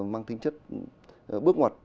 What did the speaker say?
mang tính chất bước ngoặt